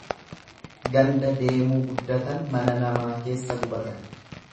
Ganda deemuu guddatan mana namaa keessa gubatan.